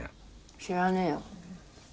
知らねぇよ。